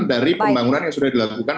dari pembangunan yang sudah dilakukan